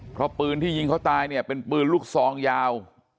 เพราะปืนที่ยิงเขาตายเนี่ยเป็นปืนลูกซองยาว